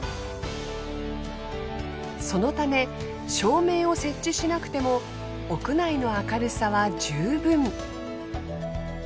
そのため照明を設置しなくても屋内の明るさは十分。